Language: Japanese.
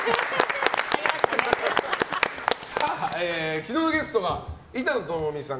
昨日のゲストが板野友美さん